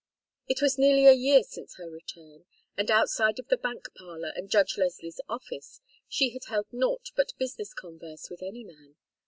It was nearly a year since her return, and outside of the bank parlor and Judge Leslie's office, she had held naught but business converse with any man.